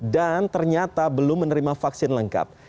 dan ternyata belum menerima vaksin lengkap